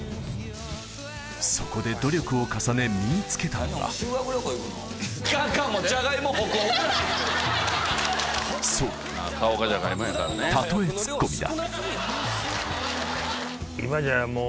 そこで努力を重ね身につけたのはそう例えツッコミだ